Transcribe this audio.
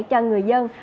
cho người dân